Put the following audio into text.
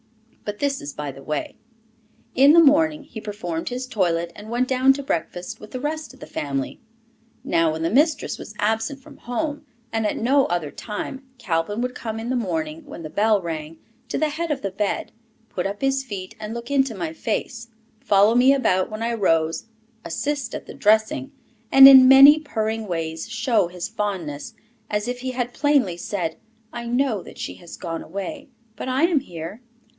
But this is by the way. In the morning, he performed his toilet and went down to breakfast with the rest of the family. Now, when the mistress was absent from home, and at no other time, Calvin would come in the morning, when the bell rang, to the head of the bed, put up his feet and look into my face, follow me about when I rose, "assist" at the dressing, and in many purring ways show his fondness, as if he had plainly said, "I know that she has gone away, but I am here."